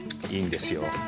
いいんですよ。